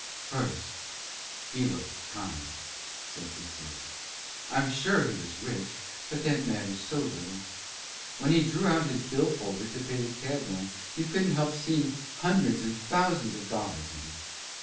"First, he looked kind," said Cecilia. "I'm sure he was rich; but that matters so little. When he drew out his bill folder to pay the cab man you couldn't help seeing hundreds and thousands of dollars in it.